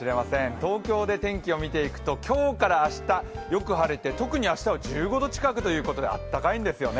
東京で天気を見ていくと、今日から明日、よく晴れて特に明日は１５度近くということであったかいんですよね。